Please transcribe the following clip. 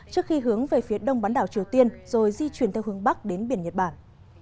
trước khi hướng về phía đông bán đảo triều tiên rồi di chuyển theo hướng bắc đến biển nhật bản